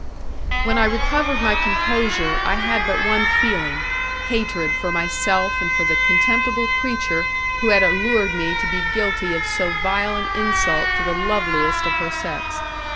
When I recovered my composure, I had but one feeling hatred for myself and for the contemptible creature who had allured me to be guilty of so vile an insult to the loveliest of her sex.